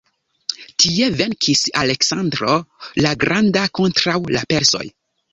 Tie venkis Aleksandro la Granda kontraŭ la persoj.